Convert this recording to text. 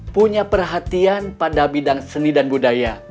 punya perhatian pada bidang seni dan budaya